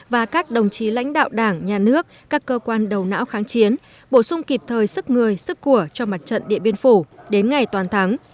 và các đồng chí lãnh đạo đảng nhà nước các cơ quan đầu não kháng chiến bổ sung kịp thời sức người sức của cho mặt trận điện biên phủ đến ngày toàn thắng